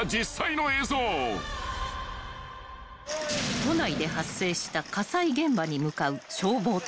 ［都内で発生した火災現場に向かう消防隊］